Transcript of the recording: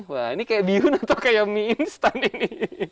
wah ini kayak bihun atau kayak mie instan ini